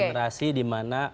generasi di mana